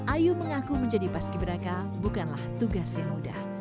ayu mengaku menjadi paski beraka bukanlah tugas yang mudah